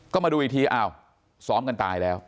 ก็มาดูอีกทีอ้าวซ้อมกันตายแล้ว